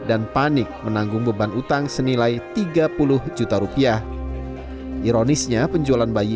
dan panik menanggung beban utang senilai tiga puluh juta rupiah ironisnya penjualan bayi